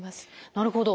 なるほど。